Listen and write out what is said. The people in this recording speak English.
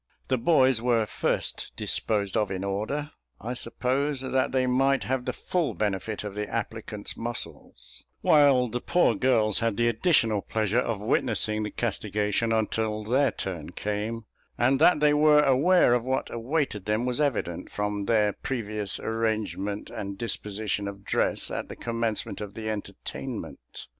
The boys were first disposed of, in order, I suppose, that they might have the full benefit of the applicant's muscles; while the poor girls had the additional pleasure of witnessing the castigation until their turn came; and that they were aware of what awaited them was evident, from their previous arrangement and disposition of dress, at the commencement of the entertainment.